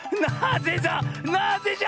なぜじゃ⁉